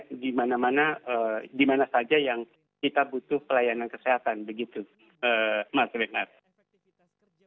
di mana mana di mana saja yang kita butuh pelayanan kesehatan begitu mas renat